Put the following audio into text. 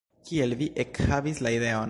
Kiel vi ekhavis la ideon?